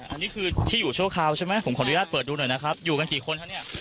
อันนี้คือที่อยู่ชั่วคราวใช่ไหมผมขออนุญาตเปิดดูหน่อยนะครับอยู่กันกี่คนคะเนี่ย